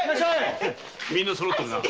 みんなそろってるな。